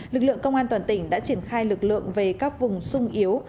lực lượng công an toàn tỉnh đã triển khai lực lượng về các vùng sung yếu